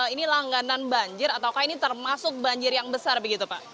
ini langganan banjir ataukah ini termasuk banjir yang besar begitu pak